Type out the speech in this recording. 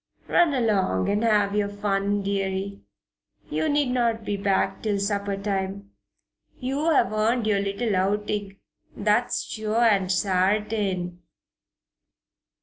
Run along and have your fun, deary. You need not be back till supper time. You have earned your little outing, that's sure and sartain."